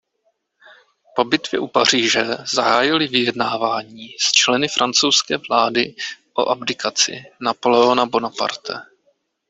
Po bitvě u Paříže zahájily vyjednávání s členy francouzské vlády o abdikaci Napoleona Bonaparte.